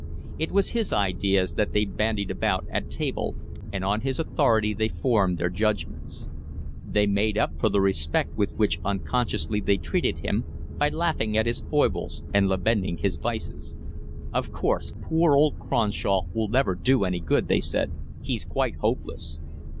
It was his ideas that they bandied about at table, and on his authority they formed their judgments. They made up for the respect with which unconsciously they treated him by laughing at his foibles and lamenting his vices. "Of course, poor old Cronshaw will never do any good," they said. "He's quite hopeless."